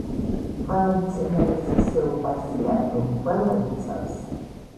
ყველა მცენარეს ისე უყვარს ია რომ ყველა იცავს